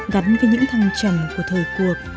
gắn với những thăng trầm của thời cuộc